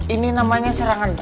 ini namanya serangan